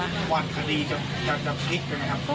หวั่นคดีจะพลิกเป็นไหมครับ